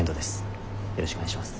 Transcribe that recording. よろしくお願いします。